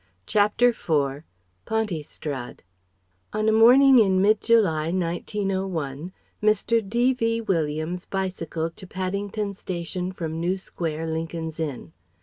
CHAPTER IV PONTYSTRAD On a morning in mid July, 1901, Mr. D.V. Williams bicycled to Paddington Station from New Square, Lincoln's Inn.